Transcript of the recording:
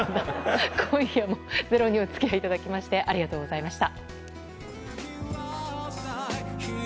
今夜も「ｚｅｒｏ」にお付き合いいただきましてありがとうございました。